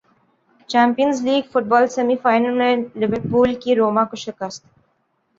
champions league football semi final میں Liverpool کی روما کو شکست